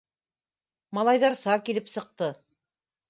Малайҙарса килеп сыҡты